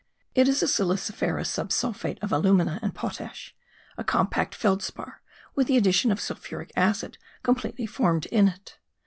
It is a siliciferous subsulphate of alumina and potash, a compact feldspar, with the addition of sulphuric acid completely formed in it.